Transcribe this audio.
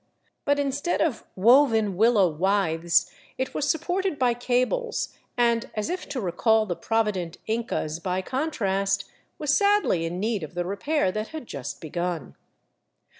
But instead of woven willow withes, it was supported by cables and, as if to recall the provident Incas by contrast, was sadly in need of the repair that had just begun.